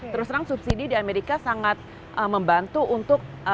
terus terang subsidi di amerika sangat membantu untuk